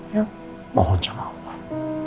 ya mohon sama allah